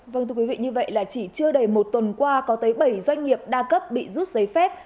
vâng thưa quý vị như vậy là chỉ chưa đầy một tuần qua có tới bảy doanh nghiệp đa cấp bị rút giấy phép